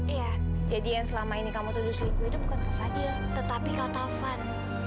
iya jadi yang selama ini kamu tuduh siku itu bukan ke fadil tetapi kau taufan